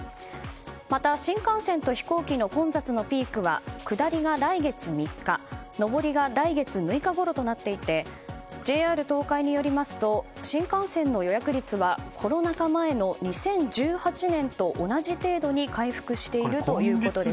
また、新幹線と飛行機の混雑のピークは、下りが来月３日上りが来月６日ごろとなっていてＪＲ東海によりますと新幹線の予約率はコロナ禍前の２０１８年と同じ程度に回復しているということです。